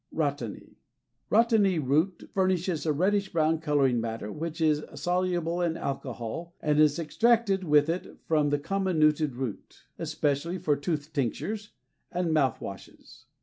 Rhatany. Rhatany root furnishes a reddish brown coloring matter which is soluble in alcohol and is extracted with it from the comminuted root, especially for tooth tinctures and mouth washes.